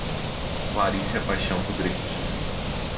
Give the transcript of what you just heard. Claricia Paixao Rodrigues